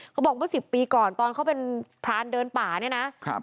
เขาบอกว่าสิบปีก่อนตอนเขาเป็นพรานเดินป่านี่น่ะครับ